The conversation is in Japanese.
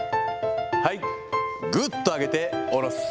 はい、ぐっと上げて下ろす。